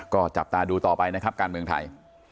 ก็จับตาดูต่อไปนะครับการเมืองไทย